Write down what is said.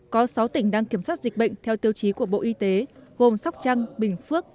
có sáu tỉnh đang kiểm soát dịch bệnh theo tiêu chí của bộ y tế gồm sóc trăng bình phước